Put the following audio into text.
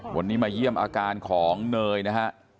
วันนี้มาเยี่ยมอาการของเนยนะฮะ